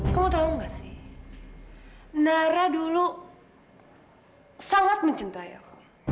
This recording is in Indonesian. kamu tahu nggak sih nara dulu sangat mencintai aku